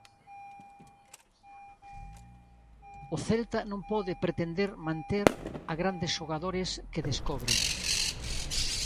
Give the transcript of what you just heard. O Celta non pode pretender manter a grandes xogadores que descobre.